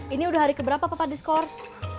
ini udah hari keberapa papa diskors